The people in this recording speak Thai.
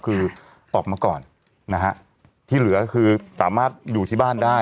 คือออกมาก่อนนะฮะที่เหลือคือสามารถอยู่ที่บ้านได้